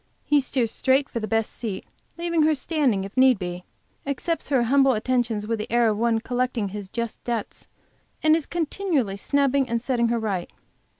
He steers straight for the best seat, leaving her standing, if need be, accepts her humble attentions with the air of one collecting his just debt and is continually snubbing and setting her right.